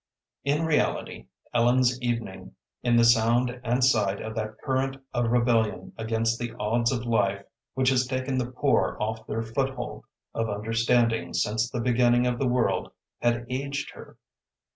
In reality Ellen's evening in the sound and sight of that current of rebellion against the odds of life which has taken the poor off their foot hold of understanding since the beginning of the world had aged her.